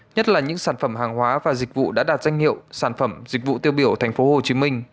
nhất là những sản phẩm hàng hóa và dịch vụ đã đạt danh hiệu sản phẩm dịch vụ tiêu biểu tp hcm